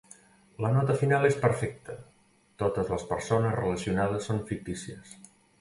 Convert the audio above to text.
La nota final és perfecta: "Totes les persones relacionades són fictícies.